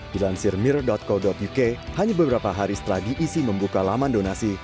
dilansir mir co uk hanya beberapa hari setelah diisi membuka laman donasi